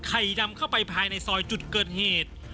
ไข่ดำเข้าไปภายในซอยจุดเกิดเหตุ